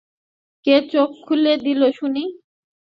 কে চোখ খুলে দিল শুনি?